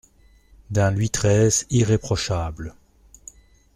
D'un Louis treize irréprochable.